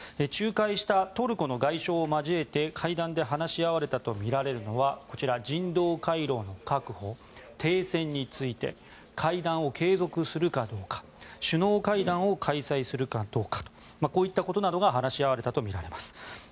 仲介したトルコの外相を交えて会談で話し合われたとみられるのはこちら人道回廊の確保停戦について会談を継続するかどうか首脳会談を開催するかどうかこういったことなどが話し合われたとみられます。